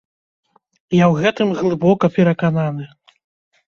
Я ў гэтым глыбока перакананы.